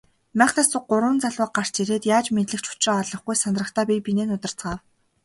Майхнаас гурван залуу гарч ирээд яаж мэндлэх ч учраа олохгүй сандрахдаа бие биеэ нударцгаав.